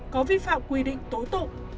có vi phạm quy định tố tục